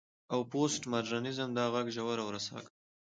او پوسټ ماډرنيزم دا غږ ژور او رسا کړ.